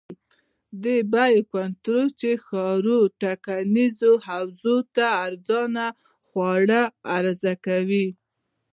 د بیو کنټرول چې ښاري ټاکنیزو حوزو ته ارزانه خواړه عرضه کړي.